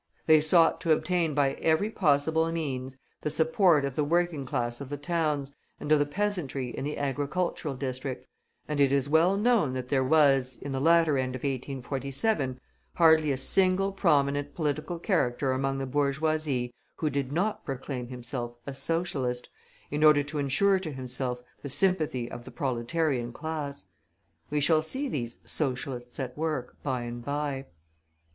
They sought to obtain by every possible means the support of the working class of the towns, and of the peasantry in the agricultural districts, and it is well known that there was, in the latter end of 1847, hardly a single prominent political character among the bourgeoisie who did not proclaim himself a "Socialist," in order to insure to himself the sympathy of the proletarian class. We shall see these "Socialists" at work by and by.